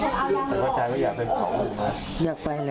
แต่พอมันมีประเด็นเรื่องโควิด๑๙ขึ้นมาแล้วก็ยังไม่มีผลชาญสูตรที่บ้าน